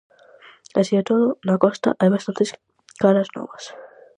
Así e todo, na Costa, hai bastantes caras novas.